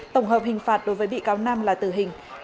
tổng hợp hình phạt đối với bị cáo nam là tử hình